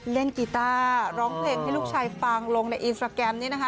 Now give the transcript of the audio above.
กีต้าร้องเพลงให้ลูกชายฟังลงในอินสตราแกรมนี้นะคะ